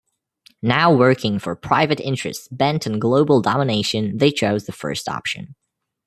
Now Working for Private Interests Bent on Global Domination, they chose the first option.